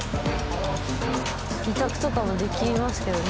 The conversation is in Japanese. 委託とかもできますけどね。